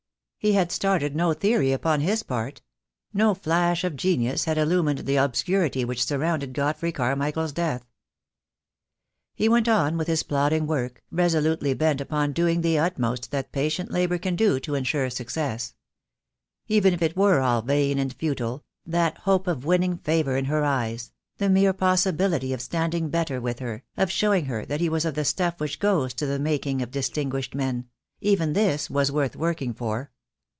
He had started no theory upon his part. No flash of genius had illumined the obscurity which surrounded Godfrey Carmichael's death. He went on with his plodding work, resolutely bent upon doing the utmost that patient labour can do to en sure success. Even if it were all vain and futile — that hope of winning favour in her eyes — the mere possibility of standing better with her, of showing her that he was of the stuff which goes to the making of distinguished men — even this was worth working for.